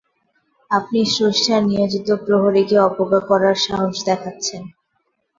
আপনি স্রষ্টার নিয়োজিত প্রহরীকে অবজ্ঞা করার সাহস দেখাচ্ছেন!